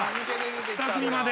２組まで。